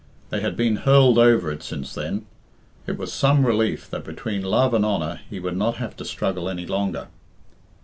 They had been hurled over it since then. It was some relief that between love and honour he would not have to struggle any longer.